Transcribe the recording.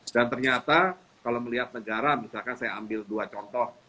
dan ternyata kalau melihat negara misalkan saya ambil dua contoh